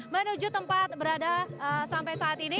menuju tempat berada sampai saat ini